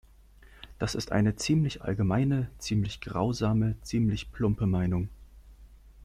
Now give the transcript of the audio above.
Das ist eine ziemlich allgemeine, ziemlich grausame, ziemlich plumpe Meinung.